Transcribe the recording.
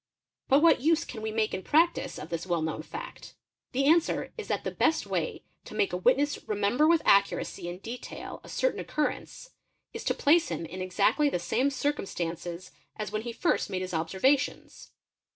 But what use can we make in practice of this well known fact. The answer is that the best way to make a witness remember with accuracy and detail a certain occurrence, is to place him in exactly the same — circumstances as when he first made his observations.